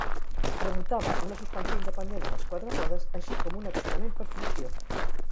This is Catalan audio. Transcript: Presentava una suspensió independent a les quatre rodes, així com un accionament per fricció.